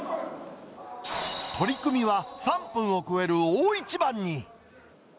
取組は３分を超える大一番に。